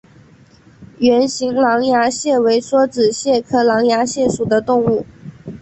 圆形狼牙蟹为梭子蟹科狼牙蟹属的动物。